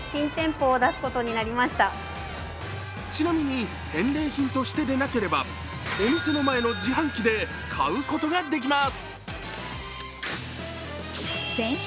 ちなみに返礼品としてでなければお店の前の自販機で買うことができます。